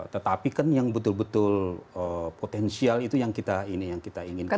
tetapi kan yang betul betul potensial itu yang kita ini yang kita inginkan